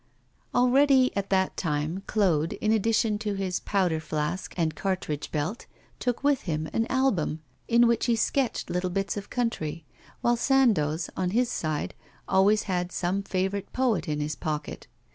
Already at that time Claude, in addition to his powder flask and cartridge belt, took with him an album, in which he sketched little bits of country, while Sandoz, on his side, always had some favourite poet in his pocket.